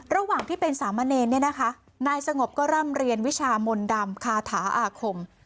ระหว่างที่เป็นสามเณรเนี่ยนะคะนายสงบก็ร่ำเรียนวิชามนต์ดำคาถาอาคม